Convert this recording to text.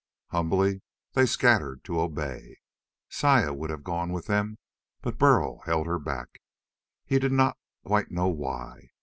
Humbly, they scattered to obey. Saya would have gone with them, but Burl held her back. He did not quite know why.